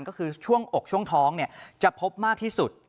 ก็คือช่วงอกช่วงท้องจะพบมากที่สุด